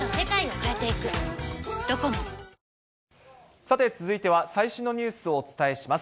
さて続いては、最新のニュースをお伝えします。